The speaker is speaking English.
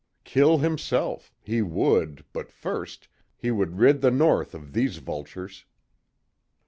Kill himself, he would, but first he would rid the North of these vultures.